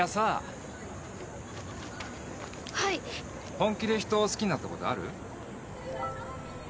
本気で人を好きになったことある？